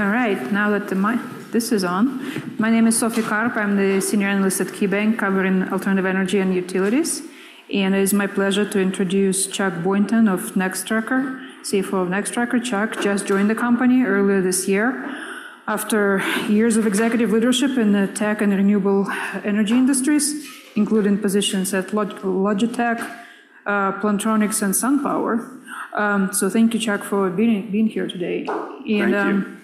All right, now that the mic, this is on. My name is Sophie Karp. I'm the senior analyst at KeyBank, covering alternative energy and utilities, and it is my pleasure to introduce Chuck Boynton of Nextracker, CFO of Nextracker. Chuck just joined the company earlier this year after years of executive leadership in the tech and renewable energy industries, including positions at Logitech, Plantronics, and SunPower. So thank you, Chuck, for being here today. Thank you.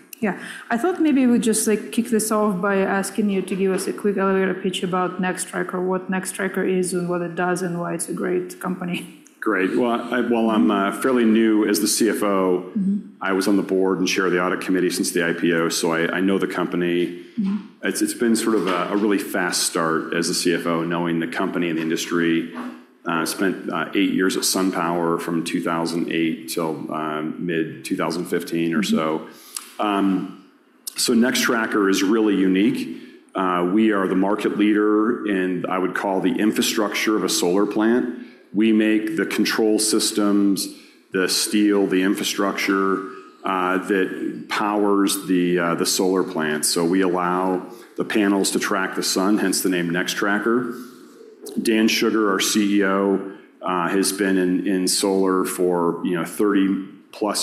I thought maybe we'd just, like, kick this off by asking you to give us a quick elevator pitch about Nextracker, what Nextracker is, and what it does, and why it's a great company. Great. Well, I'm fairly new as the CFO. Mm-hmm. I was on the board and chair of the audit committee since the IPO, so I know the company. Mm-hmm. It's been sort of a really fast start as a CFO, knowing the company and the industry. I spent 8 years at SunPower from 2008 till mid-2015 or so. Mm-hmm. So Nextracker is really unique. We are the market leader in, I would call, the infrastructure of a solar plant. We make the control systems, the steel, the infrastructure that powers the solar plant. So we allow the panels to track the sun, hence the name Nextracker. Dan Shugar, our CEO, has been in solar for, you know, 30+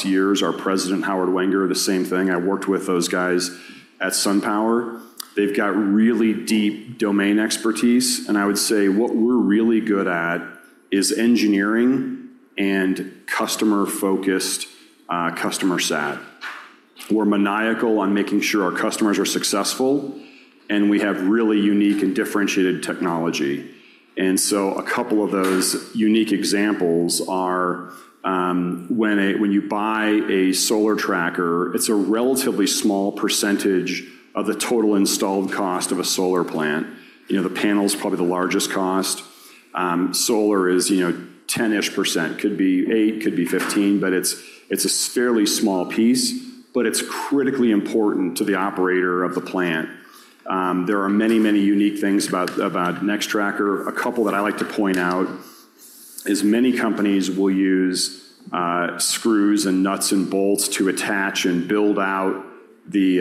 years. Our president, Howard Wenger, the same thing. I worked with those guys at SunPower. They've got really deep domain expertise, and I would say what we're really good at is engineering and customer-focused customer sat. We're maniacal on making sure our customers are successful, and we have really unique and differentiated technology. A couple of those unique examples are, when you buy a solar tracker, it's a relatively small percentage of the total installed cost of a solar plant. You know, the panel's probably the largest cost. Solar is, you know, 10%-ish, could be 8, could be 15, but it's, it's a fairly small piece, but it's critically important to the operator of the plant. There are many, many unique things about, about Nextracker. A couple that I like to point out is many companies will use, screws, and nuts, and bolts to attach and build out the,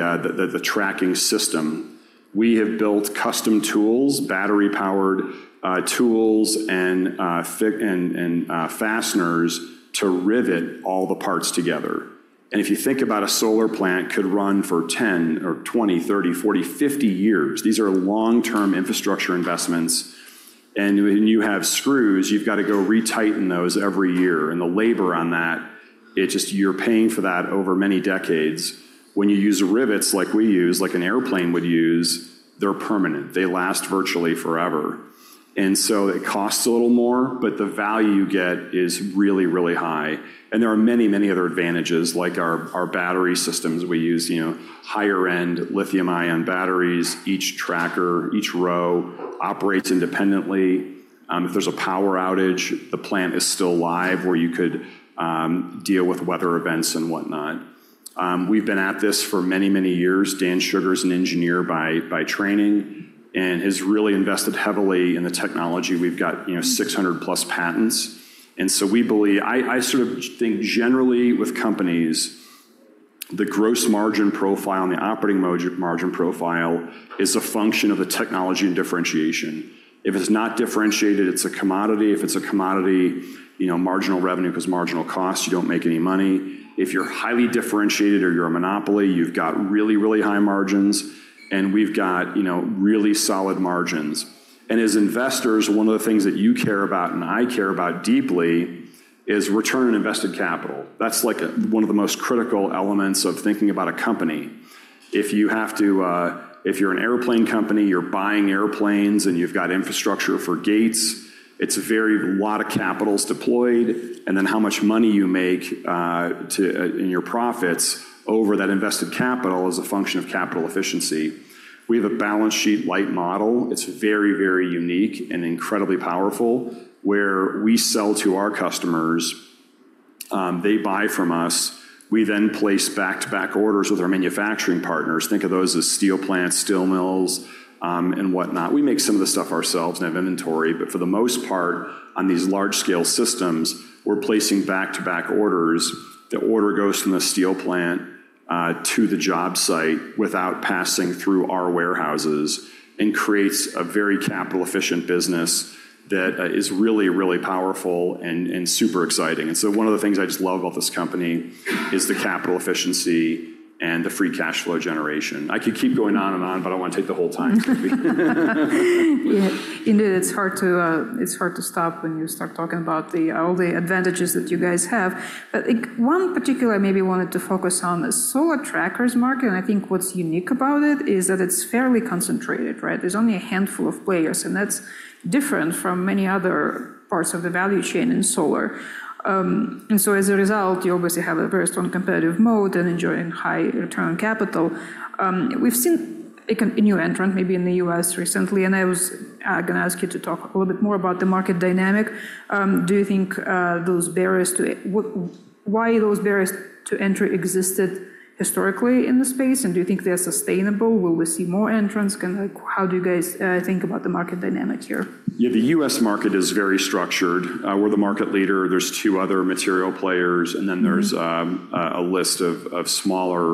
the tracking system. We have built custom tools, battery-powered tools, and fasteners to rivet all the parts together. If you think about a solar plant could run for 10 or 20, 30, 40, 50 years, these are long-term infrastructure investments, and when you have screws, you've got to go retighten those every year, and the labor on that, it just... You're paying for that over many decades. When you use rivets like we use, like an airplane would use, they're permanent. They last virtually forever. And so it costs a little more, but the value you get is really, really high. And there are many, many other advantages, like our, our battery systems. We use, you know, higher-end lithium-ion batteries. Each tracker, each row operates independently. If there's a power outage, the plant is still live, where you could deal with weather events and whatnot. We've been at this for many, many years. Dan Shugar is an engineer by training and has really invested heavily in the technology. We've got, you know, 600+ patents, and so we believe... I sort of think generally with companies, the gross margin profile and the operating margin profile is a function of the technology and differentiation. If it's not differentiated, it's a commodity. If it's a commodity, you know, marginal revenue plus marginal cost, you don't make any money. If you're highly differentiated or you're a monopoly, you've got really, really high margins, and we've got, you know, really solid margins. And as investors, one of the things that you care about, and I care about deeply, is return on invested capital. That's, like, one of the most critical elements of thinking about a company. If you have to... If you're an airplane company, you're buying airplanes, and you've got infrastructure for gates, it's a very, a lot of capital's deployed, and then how much money you make in your profits over that invested capital is a function of capital efficiency. We have a balance sheet light model. It's very, very unique and incredibly powerful, where we sell to our customers, they buy from us, we then place back-to-back orders with our manufacturing partners. Think of those as steel plants, steel mills, and whatnot. We make some of the stuff ourselves and have inventory, but for the most part, on these large-scale systems, we're placing back-to-back orders. The order goes from the steel plant to the job site without passing through our warehouses and creates a very capital-efficient business that is really, really powerful and super exciting. One of the things I just love about this company is the capital efficiency and the free cash flow generation. I could keep going on and on, but I don't want to take the whole time. Yeah. Indeed, it's hard to stop when you start talking about all the advantages that you guys have. But, like, one particular I maybe wanted to focus on is solar trackers market, and I think what's unique about it is that it's fairly concentrated, right? There's only a handful of players, and that's different from many other parts of the value chain in solar. And so as a result, you obviously have a very strong competitive moat and enjoying high return on capital. We've seen a new entrant, maybe in the U.S. recently, and I was gonna ask you to talk a little bit more about the market dynamic. Do you think those barriers to it, what, why those barriers to entry existed historically in the space, and do you think they're sustainable? Will we see more entrants? Can, like— How do you guys think about the market dynamic here? Yeah, the U.S. market is very structured. We're the market leader. There's two other material players- Mm-hmm.... and then there's a list of smaller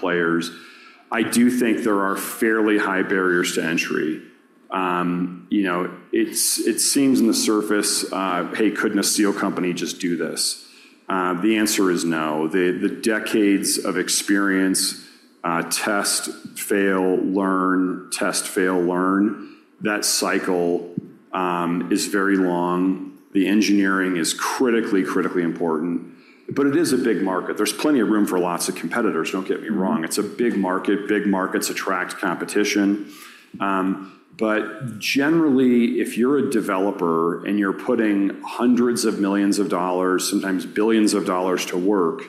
players. I do think there are fairly high barriers to entry. You know, it seems on the surface, hey, couldn't a steel company just do this? The answer is no. The decades of experience, test, fail, learn, test, fail, learn, that cycle, is very long. The engineering is critically, critically important, but it is a big market. There's plenty of room for lots of competitors, don't get me wrong. It's a big market. Big markets attract competition. But generally, if you're a developer and you're putting hundreds of millions of dollars, sometimes billions of dollars to work,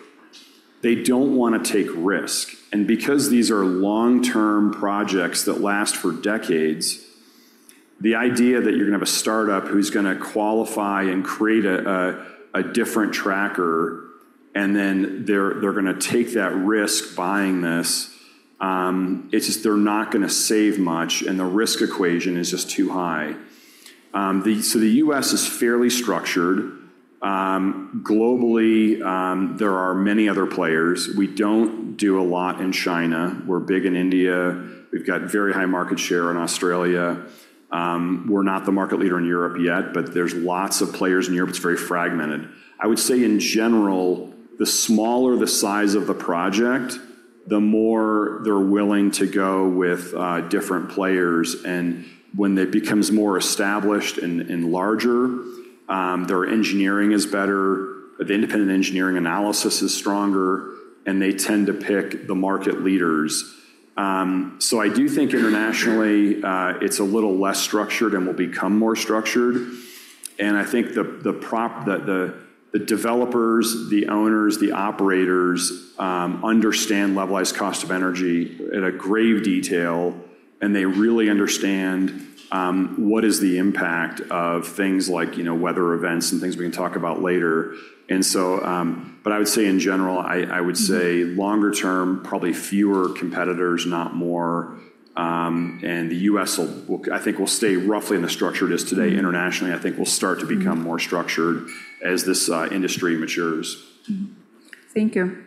they don't wanna take risk. Because these are long-term projects that last for decades, the idea that you're gonna have a startup who's gonna qualify and create a different tracker, and then they're gonna take that risk buying this, it's just they're not gonna save much, and the risk equation is just too high. So the U.S. is fairly structured. Globally, there are many other players. We don't do a lot in China. We're big in India. We've got very high market share in Australia. We're not the market leader in Europe yet, but there's lots of players in Europe. It's very fragmented. I would say, in general, the smaller the size of the project, the more they're willing to go with different players, and when it becomes more established and larger, their engineering is better, the independent engineering analysis is stronger, and they tend to pick the market leaders. So I do think internationally, it's a little less structured and will become more structured. And I think the developers, the owners, the operators understand levelized cost of energy at a great detail, and they really understand what is the impact of things like, you know, weather events and things we can talk about later. But I would say in general, I would say longer term, probably fewer competitors, not more. The U.S. will, I think, stay roughly in the structure it is today. Internationally, I think, will start to become more structured as this industry matures. Mm-hmm. Thank you.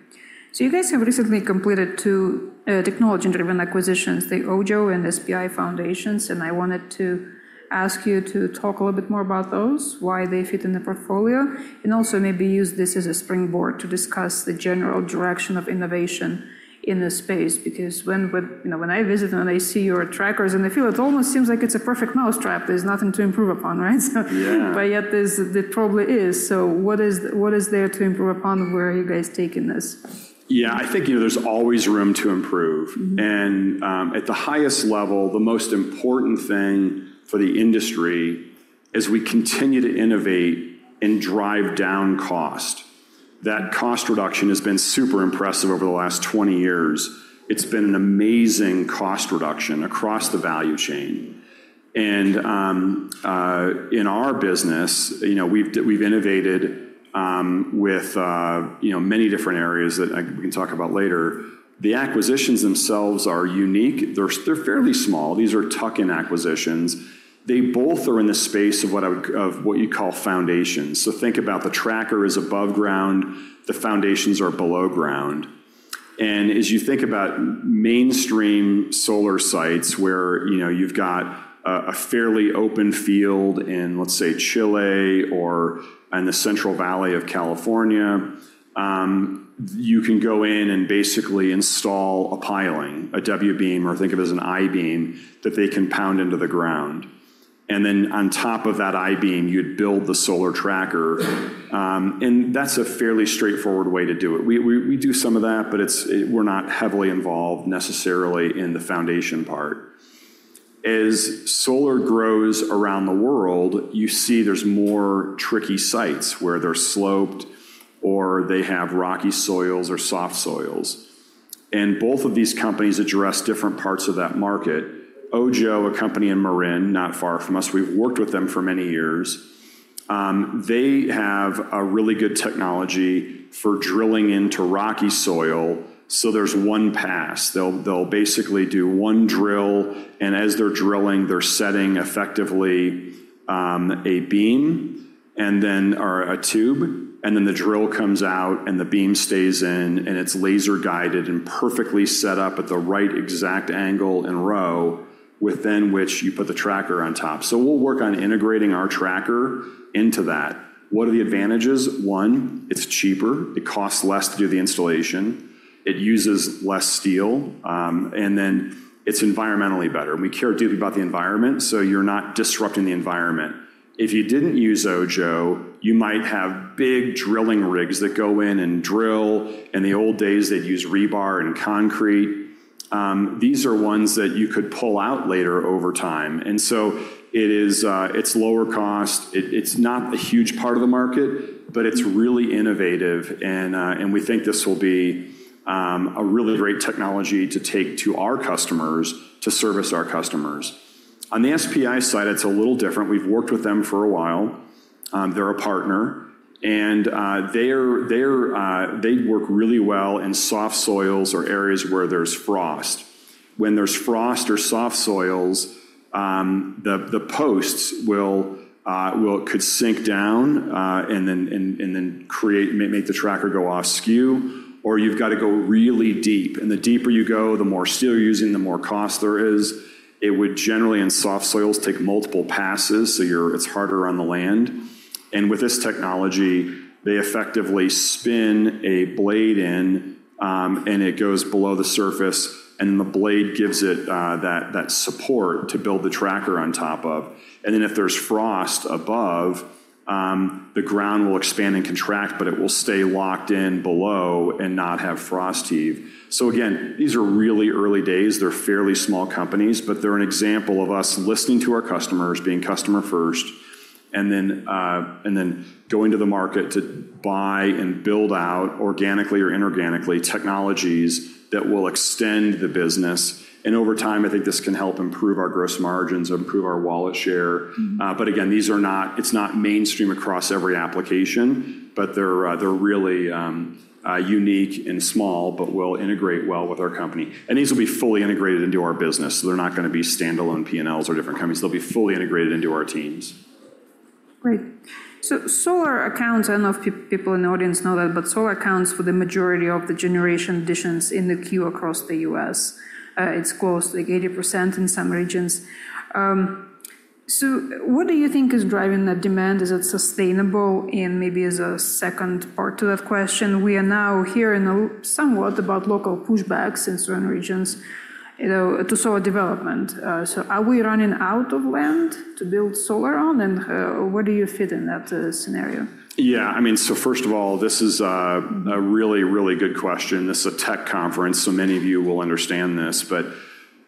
So you guys have recently completed 2 technology-driven acquisitions, the Ojjo and SPI foundations, and I wanted to ask you to talk a little bit more about those, why they fit in the portfolio, and also maybe use this as a springboard to discuss the general direction of innovation in this space. Because when, you know, when I visit and I see your trackers in the field, it almost seems like it's a perfect mousetrap. There's nothing to improve upon, right? Yeah. But yet there's... There probably is. So what is, what is there to improve upon, and where are you guys taking this? Yeah, I think, you know, there's always room to improve. Mm-hmm. At the highest level, the most important thing for the industry is we continue to innovate and drive down cost. That cost reduction has been super impressive over the last 20 years. It's been an amazing cost reduction across the value chain. In our business, you know, we've innovated with, you know, many different areas that I, we can talk about later. The acquisitions themselves are unique. They're fairly small. These are tuck-in acquisitions. They both are in the space of what I would, of what you call foundations. So think about the tracker is above ground, the foundations are below ground. As you think about mainstream solar sites, where, you know, you've got a fairly open field in, let's say, Chile or in the Central Valley of California, you can go in and basically install a piling, a W-beam, or think of it as an I-beam, that they can pound into the ground. And then on top of that I-beam, you'd build the solar tracker. And that's a fairly straightforward way to do it. We do some of that, but it's. We're not heavily involved necessarily in the foundation part. As solar grows around the world, you see there's more tricky sites where they're sloped or they have rocky soils or soft soils, and both of these companies address different parts of that market. Ojjo, a company in Marin, not far from us, we've worked with them for many years. They have a really good technology for drilling into rocky soil, so there's one pass. They'll basically do one drill, and as they're drilling, they're setting effectively a beam and then... or a tube, and then the drill comes out, and the beam stays in, and it's laser-guided and perfectly set up at the right exact angle and row within which you put the tracker on top. So we'll work on integrating our tracker into that. What are the advantages? One, it's cheaper. It costs less to do the installation. It uses less steel, and then it's environmentally better. We care deeply about the environment, so you're not disrupting the environment. If you didn't use Ojjo, you might have big drilling rigs that go in and drill. In the old days, they'd use rebar and concrete. These are ones that you could pull out later over time, and so it's lower cost. It's not a huge part of the market, but it's really innovative, and we think this will be a really great technology to take to our customers to service our customers. On the SPI side, it's a little different. We've worked with them for a while. They're a partner, and they work really well in soft soils or areas where there's frost. When there's frost or soft soils, the posts could sink down, and then make the tracker go off skew, or you've got to go really deep, and the deeper you go, the more steel you're using, the more cost there is. It would generally, in soft soils, take multiple passes, so it's harder on the land. And with this technology, they effectively spin a blade in, and it goes below the surface, and the blade gives it that support to build the tracker on top of. And then if there's frost above, the ground will expand and contract, but it will stay locked in below and not have frost heave. So again, these are really early days. They're fairly small companies, but they're an example of us listening to our customers, being customer first, and then, and then going to the market to buy and build out organically or inorganically, technologies that will extend the business. And over time, I think this can help improve our gross margins, improve our wallet share. Mm-hmm. But again, these are not mainstream across every application, but they're really unique and small, but will integrate well with our company. And these will be fully integrated into our business, so they're not gonna be standalone PNLs or different companies. They'll be fully integrated into our teams. Great. So solar accounts, I don't know if people in the audience know that, but solar accounts for the majority of the generation additions in the queue across the U.S. It's close to like 80% in some regions. So what do you think is driving that demand? Is it sustainable? And maybe as a second part to that question, we are now hearing somewhat about local pushbacks in certain regions, you know, to solar development. So are we running out of land to build solar on, and where do you fit in that scenario? Yeah, I mean, so first of all, this is a really, really good question. This is a tech conference, so many of you will understand this. But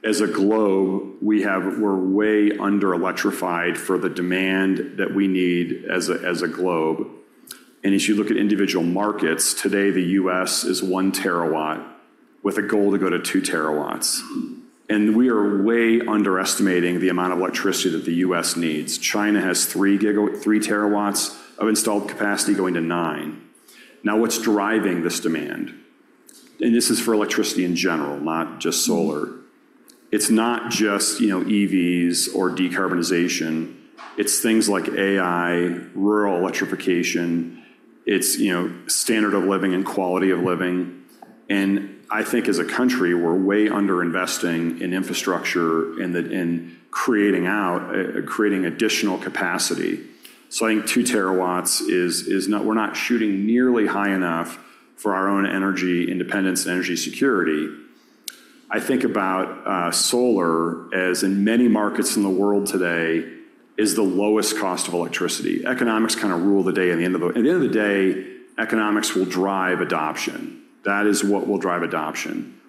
as a globe, we have, we're way under electrified for the demand that we need as a globe. And as you look at individual markets, today, the U.S. is 1 terawatt, with a goal to go to 2 terawatts. Mm-hmm. We are way underestimating the amount of electricity that the U.S. needs. China has 3 terawatts of installed capacity going to 9. Now, what's driving this demand? This is for electricity in general, not just solar. Mm-hmm. It's not just, you know, EVs or decarbonization. It's things like AI, rural electrification. It's, you know, standard of living and quality of living. And I think as a country, we're way underinvesting in infrastructure and the, in creating additional capacity. So I think 2 terawatts is not. We're not shooting nearly high enough for our own energy independence and energy security. I think about solar, as in many markets in the world today, is the lowest cost of electricity. Economics kinda rule the day at the end of the day, economics will drive adoption. That is what will drive adoption.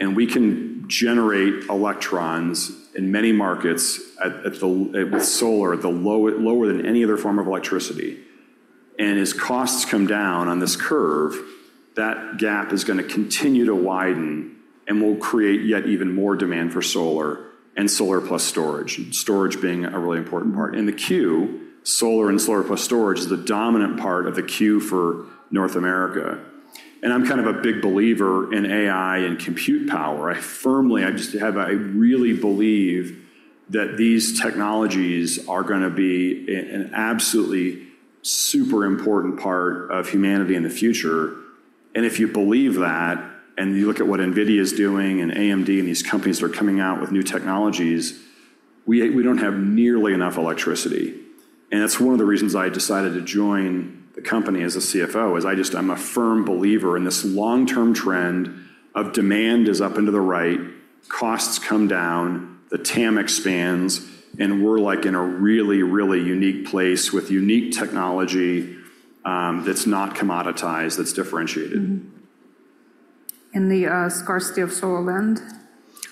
And we can generate electrons in many markets with solar, lower than any other form of electricity. And as costs come down on this curve, that gap is gonna continue to widen and will create yet even more demand for solar and solar plus storage, storage being a really important part. In the queue, solar and solar plus storage is the dominant part of the queue for North America. And I'm kind of a big believer in AI and compute power. I firmly, I just have, I really believe that these technologies are gonna be a, an absolutely super important part of humanity in the future. And if you believe that, and you look at what NVIDIA is doing, and AMD, and these companies that are coming out with new technologies, we, we don't have nearly enough electricity. And that's one of the reasons I decided to join the company as a CFO, is I just... I'm a firm believer in this long-term trend of demand is up into the right, costs come down, the TAM expands, and we're, like, in a really, really unique place with unique technology that's not commoditized, that's differentiated. Mm-hmm. And the scarcity of solar land?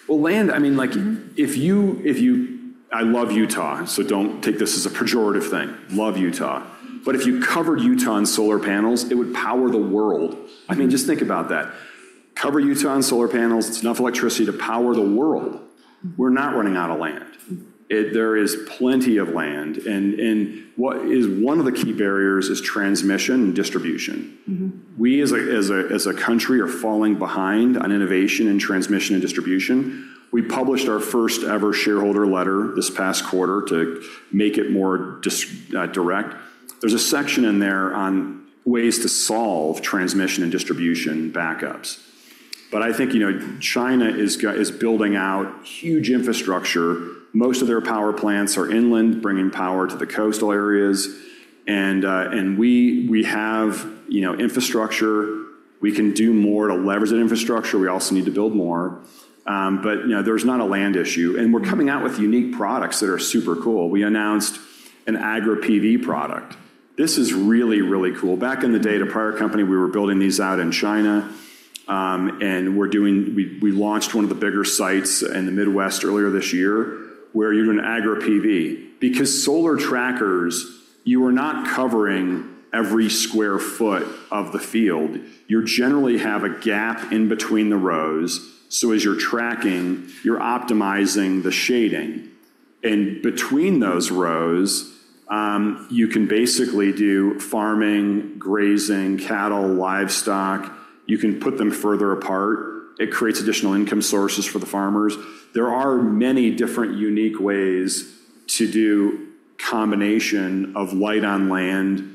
Well, land, I mean, like- Mm-hmm. I love Utah, so don't take this as a pejorative thing. Love Utah. But if you covered Utah in solar panels, it would power the world. Mm-hmm. I mean, just think about that. Cover Utah on solar panels, it's enough electricity to power the world. Mm-hmm. We're not running out of land. Mm-hmm. There is plenty of land, and what is one of the key barriers is transmission and distribution. Mm-hmm. We, as a country, are falling behind on innovation in transmission and distribution. We published our first-ever shareholder letter this past quarter to make it more direct. There's a section in there on ways to solve transmission and distribution backups. But I think, you know, China is building out huge infrastructure. Most of their power plants are inland, bringing power to the coastal areas. And we have, you know, infrastructure. We can do more to leverage that infrastructure. We also need to build more. But, you know, there's not a land issue, and we're coming out with unique products that are super cool. We announced an Agri-PV product. This is really, really cool. Back in the day, at a prior company, we were building these out in China, and we launched one of the bigger sites in the Midwest earlier this year, where you do an Agri-PV. Because solar trackers, you are not covering every square foot of the field, you generally have a gap in between the rows. So as you're tracking, you're optimizing the shading. And between those rows, you can basically do farming, grazing, cattle, livestock. You can put them further apart. It creates additional income sources for the farmers. There are many different unique ways to do combination of light on land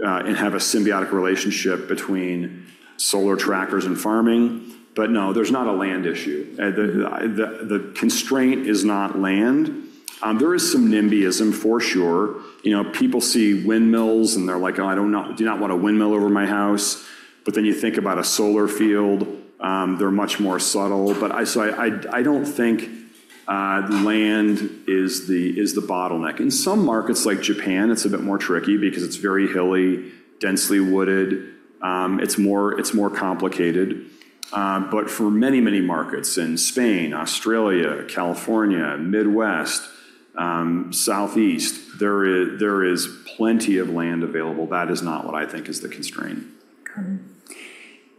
and have a symbiotic relationship between solar trackers and farming. But no, there's not a land issue. The constraint is not land. There is some NIMBYism, for sure. You know, people see windmills, and they're like: "Oh, I don't know, do not want a windmill over my house." But then you think about a solar field, they're much more subtle. But I don't think land is the bottleneck. In some markets like Japan, it's a bit more tricky because it's very hilly, densely wooded. It's more complicated. But for many, many markets in Spain, Australia, California, Midwest, Southeast, there is plenty of land available. That is not what I think is the constraint. Got it.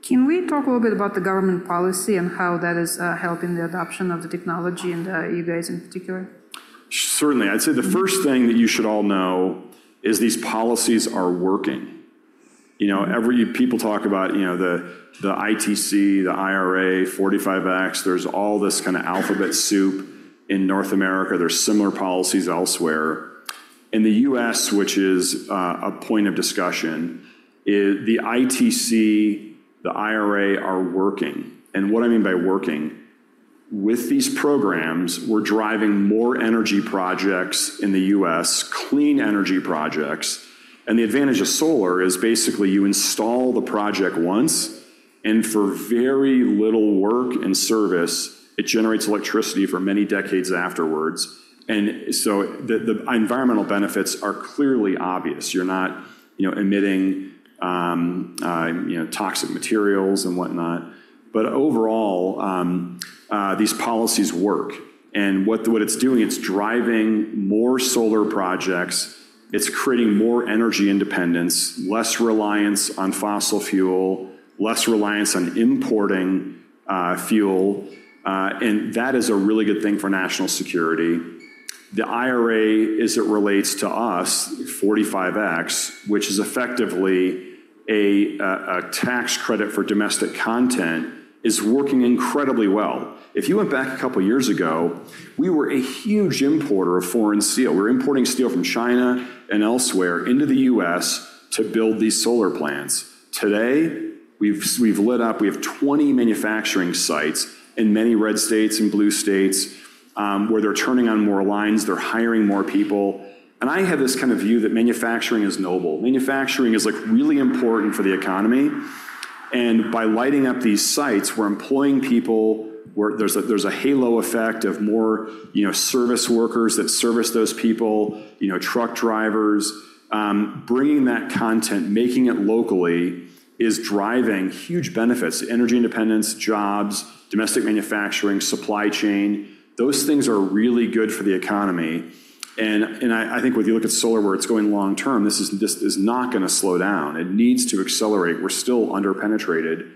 Can we talk a little bit about the government policy and how that is helping the adoption of the technology and you guys in particular? Certainly. I'd say the first thing that you should all know is these policies are working. You know, people talk about, you know, the ITC, the IRA, 45X, there's all this kinda alphabet soup in North America. There's similar policies elsewhere. In the U.S., which is a point of discussion, the ITC, the IRA are working. And what I mean by working, with these programs, we're driving more energy projects in the U.S., clean energy projects. And the advantage of solar is basically you install the project once, and for very little work and service, it generates electricity for many decades afterwards. And so the environmental benefits are clearly obvious. You're not, you know, emitting, you know, toxic materials and whatnot. But overall, these policies work, and what it's doing, it's driving more solar projects, it's creating more energy independence, less reliance on fossil fuel, less reliance on importing, fuel, and that is a really good thing for national security. The IRA, as it relates to us, 45X, which is effectively a tax credit for domestic content, is working incredibly well. If you went back a couple of years ago, we were a huge importer of foreign steel. We were importing steel from China and elsewhere into the U.S. to build these solar plants. Today, we've lit up... We have 20 manufacturing sites in many red states and blue states, where they're turning on more lines, they're hiring more people. And I have this kind of view that manufacturing is noble. Manufacturing is, like, really important for the economy, and by lighting up these sites, we're employing people. There's a halo effect of more, you know, service workers that service those people, you know, truck drivers. Bringing that content, making it locally, is driving huge benefits: energy independence, jobs, domestic manufacturing, supply chain. Those things are really good for the economy. And I think when you look at solar, where it's going long term, this is not gonna slow down. It needs to accelerate. We're still under-penetrated.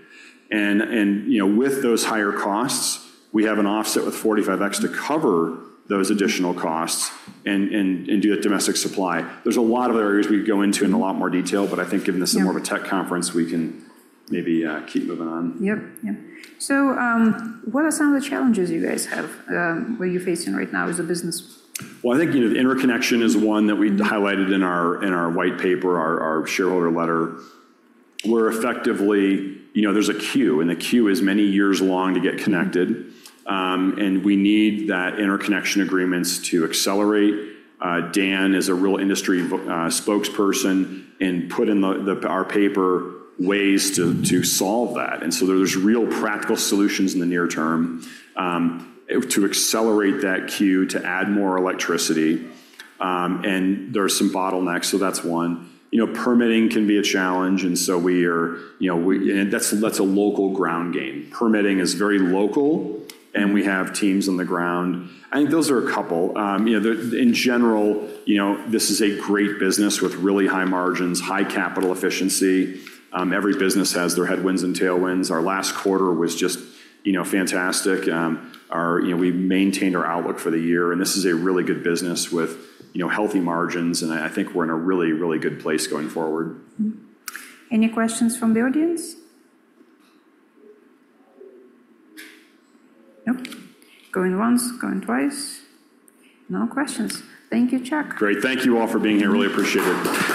And, you know, with those higher costs, we have an offset with 45X to cover those additional costs and do it domestic supply. There's a lot of areas we could go into in a lot more detail, but I think given this- Yeah... is more of a tech conference, we can maybe keep moving on. Yep, yep. So, what are some of the challenges you guys have, or you're facing right now as a business? Well, I think, you know, the interconnection is one that we highlighted in our, in our white paper, our, our shareholder letter. We're effectively... You know, there's a queue, and the queue is many years long to get connected. And we need that interconnection agreements to accelerate. Dan is a real industry spokesperson and put in the, the, our paper ways to, to solve that. And so there's real practical solutions in the near term, to accelerate that queue, to add more electricity. And there are some bottlenecks, so that's one. You know, permitting can be a challenge, and so we are, you know, we... And that's, that's a local ground game. Permitting is very local, and we have teams on the ground. I think those are a couple. You know, in general, you know, this is a great business with really high margins, high capital efficiency. Every business has their headwinds and tailwinds. Our last quarter was just, you know, fantastic. Our, you know, we've maintained our outlook for the year, and this is a really good business with, you know, healthy margins, and I, I think we're in a really, really good place going forward. Mm-hmm. Any questions from the audience? Nope. Going once, going twice. No questions. Thank you, Chuck. Great. Thank you all for being here. Really appreciate it.